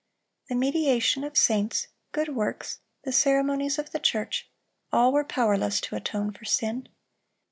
The mediation of saints, good works, the ceremonies of the church, all were powerless to atone for sin.